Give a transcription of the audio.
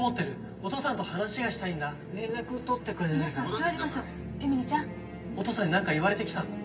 お父さんに何か言われて来たの？